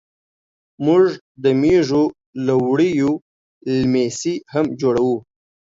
موږ د مېږو له وړیو لیمڅي هم جوړوو.